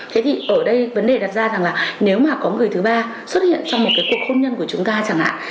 thế thì ở đây vấn đề đặt ra rằng là nếu mà có người thứ ba xuất hiện trong một cái cuộc hôn nhân của chúng ta chẳng hạn